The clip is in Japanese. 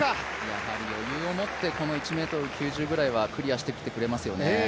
やはり余裕を持って１ｍ９０ぐらいはクリアしてきてくれますよね。